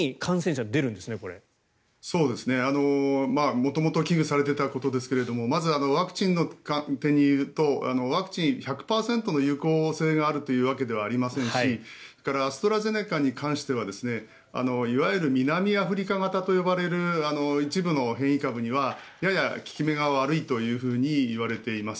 元々危惧されていたことですけれどまずワクチンの観点でいうとワクチン１００％の有効性があるわけではありませんしそれからアストラゼネカに関してはいわゆる南アフリカ型と呼ばれる一部の変異株にはやや効き目が悪いといわれています。